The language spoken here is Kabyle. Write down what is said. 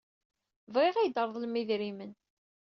Bɣiɣ ad iyi-d-treḍlem idrimen.